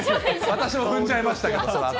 私も踏んじゃいましたけど。